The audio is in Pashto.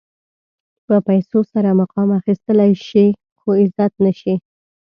په پیسو سره مقام اخيستلی شې خو عزت نه شې.